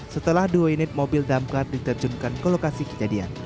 setelah dua unit mobil damkar diterjunkan ke lokasi kejadian